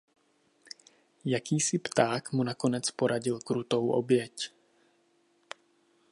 Jakýsi pták mu nakonec poradil krutou oběť.